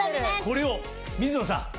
これを水野さん！